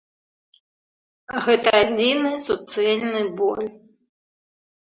Гэта адзіны суцэльны боль.